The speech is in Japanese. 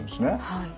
はい。